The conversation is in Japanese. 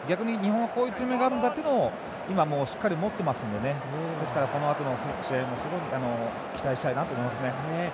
逆に日本はこういう強みがあるというのを今、しっかり持ってますので期待したいなと思いますね。